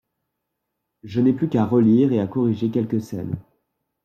Je n’ai plus qu’à relire et à corriger quelques scènes.